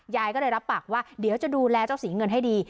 ยายก็เลยรับปากว่าเดี๋ยวจะดูแลเจ้าสีเงินให้ดี